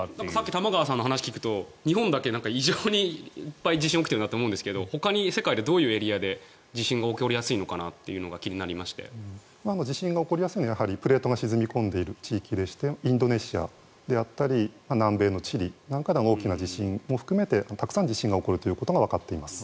玉川さんの話を聞くと日本だけ異常にいっぱい地震が起きているなと思うんですがほかに世界のどういうエリアで地震が起こりやすいかなと地震が起こりやすいのはプレートが沈み込んでいる地域でしてインドネシアであったり南米のチリなんかでは大きな地震も含めてたくさん地震が起こることがわかっています。